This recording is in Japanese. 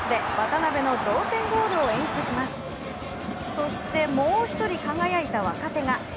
そしてもう１人輝いた若手が。